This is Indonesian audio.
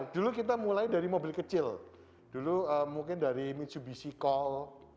dulu kita mulai dari mobil kecil dulu mungkin dari mitsubishi call